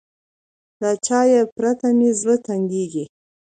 له چای پرته مې زړه تنګېږي.